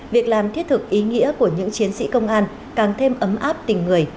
việc làm thiết thực ý nghĩa của những chiến sĩ công an càng thêm ấm áp tình người